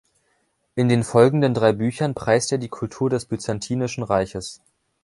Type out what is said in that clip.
In den folgenden drei Büchern preist er die Kultur des Byzantinischen Reiches.